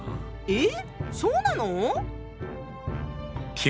えそうなの？